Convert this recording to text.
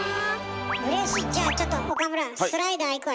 うれしいじゃあちょっとスライダー。